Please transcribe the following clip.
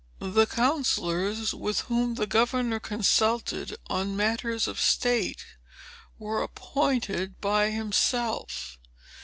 The counsellors, with whom the governor consulted on matters of state, were appointed by himself.